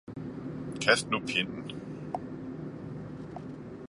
kast nu Pinden i!